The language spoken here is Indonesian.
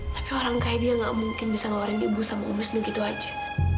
tapi orang kayak dia gak mungkin bisa mengeluarkan ibu dan um wisnu gitu aja